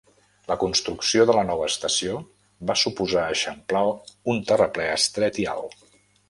La construcció de la nova estació va suposar eixamplar un terraplè estret i alt.